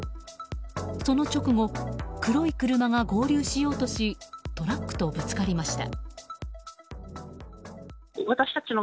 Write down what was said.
その直後黒い車が合流しようとしトラックとぶつかりました。